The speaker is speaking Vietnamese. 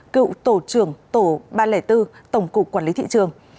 cựu tổ trưởng tổ ba trăm linh bốn tổng cục quản lý thị trường